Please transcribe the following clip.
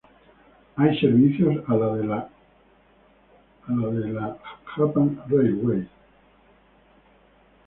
Hay servicios a la de la de la Japan Railways.